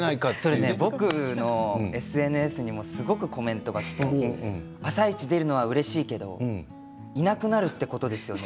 それね僕のＳＮＳにもすごくコメントが来て「『あさイチ』出るのはうれしいけどいなくなるってことですよね？」